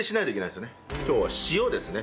今日は塩ですね。